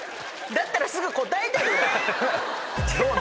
だったらすぐ答えてるわ！